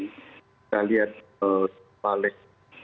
kita lihat balik